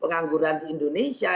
pengangguran di indonesia